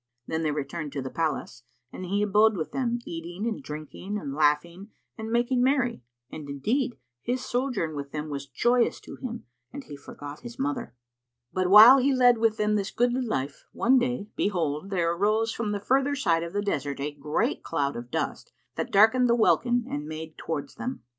Then they returned to the palace, and he abode with them, eating and drinking and laughing and making merry; and indeed his sojourn with them was joyous to him and he forgot his mother;[FN#49] but while he led with them this goodly life one day, behold, there arose from the further side of the desert a great cloud of dust that darkened the welkin and made towards them.